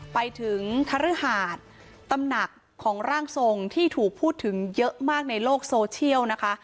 ไปถึงคฤหาสตำหนักของร่างทรงที่ถูกพูดถึงเยอะมากในโลกโซเชียลนะคะ